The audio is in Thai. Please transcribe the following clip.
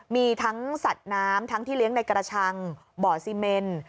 มีทั้งสัตว์น้ำทั้งที่เลี้ยงในกระชังบ่อซีเมน